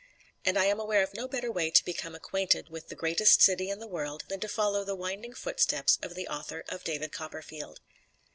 And I am aware of no better way to become acquainted with the greatest city in the world than to follow the winding footsteps of the author of "David Copperfield."